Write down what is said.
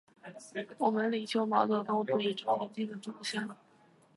我们领袖毛泽东，指引着前进的方向。